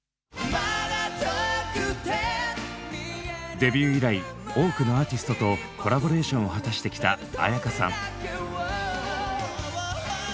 デビュー以来多くのアーティストとコラボレーションを果たしてきた絢香さん。